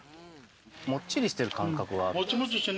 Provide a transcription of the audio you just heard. もっちりしてる感覚がある。